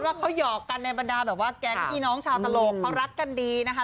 ว่าเขาหยอกกันในบรรดาแบบว่าแก๊งพี่น้องชาวตลกเขารักกันดีนะคะ